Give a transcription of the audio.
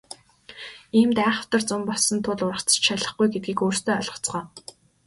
Иймд айхавтар зун болсон тул ургац ч шалихгүй гэдгийг өөрсдөө ойлгоцгоо.